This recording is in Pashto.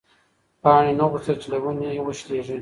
پاڼې نه غوښتل چې له ونې وشلېږي.